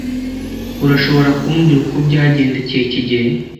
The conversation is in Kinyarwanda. Urashobora kumbwira uko byagendekeye kigeli?